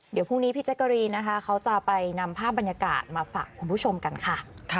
เดี๋ยวพรุ่งนี้พี่แจ๊กกะรีนนะคะเขาจะไปนำภาพบรรยากาศมาฝากคุณผู้ชมกันค่ะ